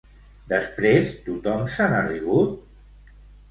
Després tothom se n'ha rigut?